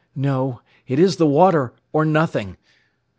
"No. It is the water, or nothing.